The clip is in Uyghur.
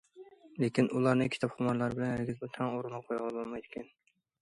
لېكىن ئۇلارنى كىتابخۇمارلار بىلەن ھەرگىزمۇ تەڭ ئورۇنغا قويغىلى بولمايدىكەن.